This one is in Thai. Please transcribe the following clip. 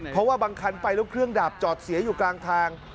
เพราะว่าบางคันไปแล้วเครื่องดาบจอดเสียอยู่กลางทาง